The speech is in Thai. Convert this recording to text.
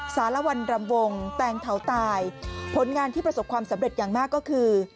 สารวันรำวงแตงเถาตายผลงานที่ประสบความสำเร็จอย่างมากก็คือ